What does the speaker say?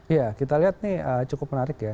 iya kita lihat ini cukup menarik ya